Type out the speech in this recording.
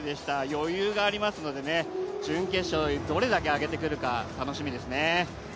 余裕がありますので準決勝、どれだけ上げてくるか楽しみですね。